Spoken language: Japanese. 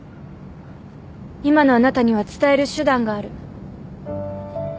今のあなたには伝える手段がある。